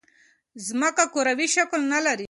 ځمکه کروی شکل نه لري.